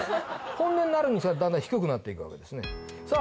本音になるにつれだんだん低くなっていくわけですねさあ